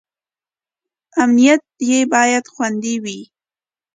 امنیت یې باید خوندي وي.